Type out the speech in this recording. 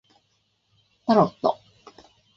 タロット